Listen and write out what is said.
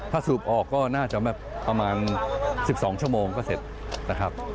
ถ้าสูบออกก็น่าจะแบบประมาณ๑๒ชั่วโมงก็เสร็จนะครับ